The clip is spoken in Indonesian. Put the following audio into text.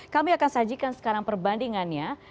kami akan sajikan sekarang perbandingannya